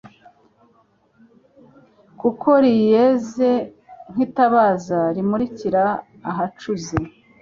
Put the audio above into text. kuko riyeze nk'itabaza rimurikira ahacuze